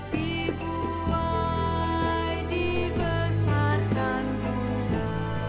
dibuai dibesarkan kental